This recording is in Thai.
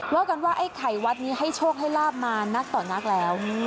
ว่ากันว่าไอ้ไข่วัดนี้ให้โชคให้ลาบมานักต่อนักแล้ว